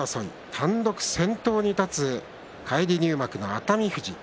単独先頭に立つ返り入幕の熱海富士。